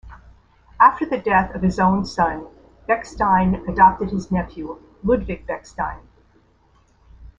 After the death of his own son, Bechstein adopted his nephew Ludwig Bechstein.